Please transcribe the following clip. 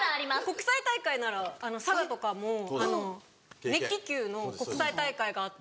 国際大会なら佐賀とかも熱気球の国際大会があって。